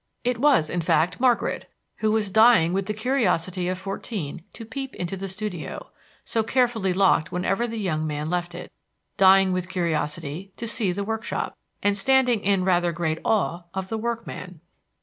It was, in fact, Margaret, who was dying with the curiosity of fourteen to peep into the studio, so carefully locked whenever the young man left it, dying with curiosity to see the workshop, and standing in rather great awe of the workman.